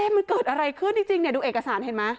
มันเกิดอะไรขึ้นจริงดูเอกสารเห็นไหม